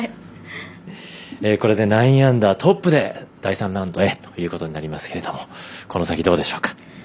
これで９アンダートップで第３ラウンドへということになりますけどこの先、どうでしょうか？